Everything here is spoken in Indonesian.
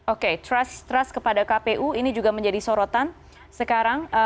oke trust kepada kpu ini juga menjadi sorotan sekarang